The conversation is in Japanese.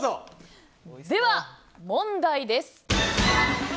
では、問題です。